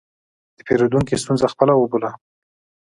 د پیرودونکي ستونزه خپله وبوله.